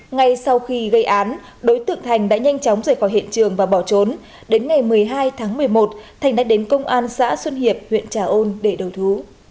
ngay sau khi gây án đối tượng thành đã nhanh chóng rời khỏi hiện trường và bỏ trốn đến ngày một mươi hai tháng một mươi một thành đã đến công an xã xuân hiệp huyện trà ôn để đầu thú